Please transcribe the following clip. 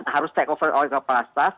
harus take over oleh kepala staff